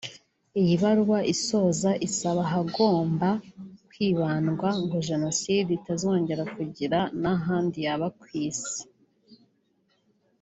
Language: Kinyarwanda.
Iyi baruwa isoza isaba ahagomba kwibandwa ngo Jenoside itazongera kugira n’ahandi yaba ku Isi